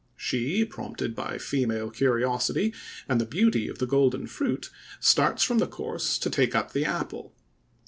She, prompted by female curiosity, and the beauty of the golden fruit, starts from the course to take up the apple.